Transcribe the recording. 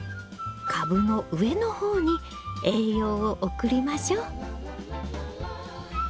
株の上の方に栄養を送りましょう。